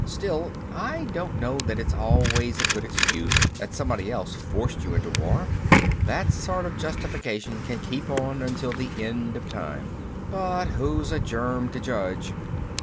Still, I don't know that it's always a good excuse that somebody else forced you into war. That sort of justification can keep on until the end of time. But who's a germ to judge?